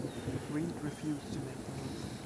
Reid refused to make the move.